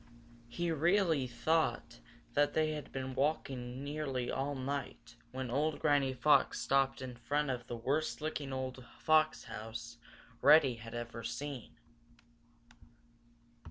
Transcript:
He really thought that they had been walking nearly all night when old Granny Fox stopped in front of the worst looking old fox house Reddy had ever seen.